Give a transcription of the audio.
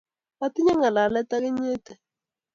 Atinye ng'alale ak inyete